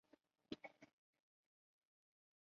拉斯穆森是丹麦第九常见的姓氏。